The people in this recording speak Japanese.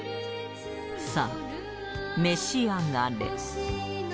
さあ召し上がれ